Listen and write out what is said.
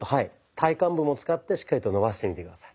体幹部も使ってしっかりと伸ばしてみて下さい。